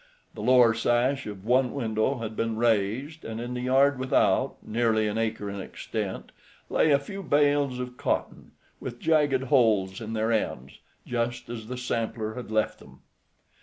The lower sash of one window had been raised, and in the yard without, nearly an acre in extent, lay a few bales of cotton, with jagged holes in their ends, just as the sampler had left them.